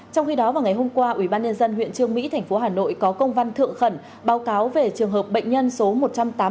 trong khi đó vào ngày hôm qua ubnd huyện trương mỹ thành phố hà nội có công văn thượng khẩn báo cáo về trường hợp bệnh nhân số một trăm tám mươi bốn